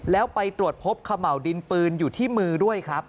แล้วไปตรวจพบขม่าวดินปืนอยู่ที่มือด้วยครับ